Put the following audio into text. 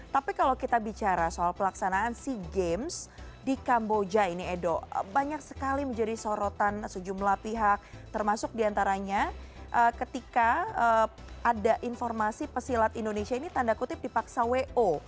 tapi kalau kita bicara soal pelaksanaan sea games di kamboja ini edo banyak sekali menjadi sorotan sejumlah pihak termasuk diantaranya ketika ada informasi pesilat indonesia ini tanda kutip dipaksa wo